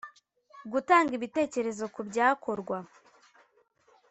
gutanga ibitekerezo ku byakorwa